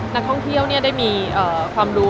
นักท่องเที่ยวได้มีความรู้